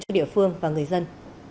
cho địa phương và người dân